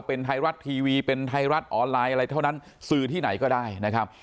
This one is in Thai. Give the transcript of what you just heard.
เป็นไทยรัฐทีวีเป็นไทยรัฐออนไลน์อะไรเท่านั้นสื่อที่ไหนก็ได้นะครับ